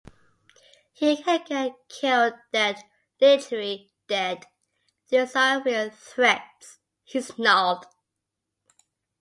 You can get killed dead, literally dead...these are real threats, he snarled.